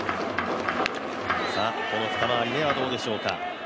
この二回り目はどうでしょうか。